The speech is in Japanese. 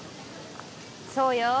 そうよ。